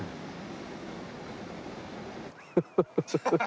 ハハハハハ。